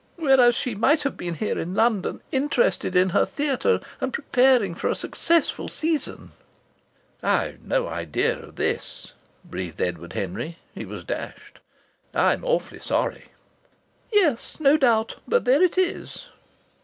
Whereas she might have been here in London, interested in her theatre, and preparing for a successful season." "I'd no idea of this," breathed Edward Henry. He was dashed. "I'm awfully sorry!" "Yes, no doubt. But there it is!"